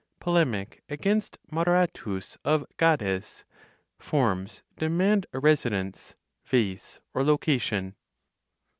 POLEMIC AGAINST MODERATUS OF GADES, FORMS DEMAND A RESIDENCE, VASE, or LOCATION.